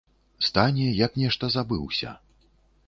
Стане, як нешта забыўся.